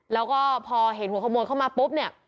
แล้วก็พอเห็นหัวขโมยเข้ามาปุ๊บเนี่ย